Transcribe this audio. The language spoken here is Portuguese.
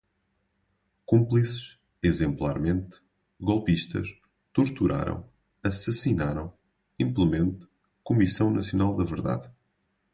Cúmplices, exemplarmente, golpistas, torturaram, assassinaram, implemente, Comissão Nacional da Verdade